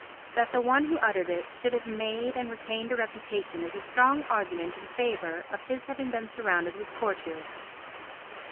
That the one who uttered it should have made and retained a reputation is a strong argument in favour of his having been surrounded with courtiers.